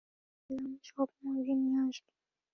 ভেবেছিলাম, সব মুরগি নিয়ে আসবো।